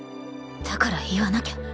だから言わなきゃ。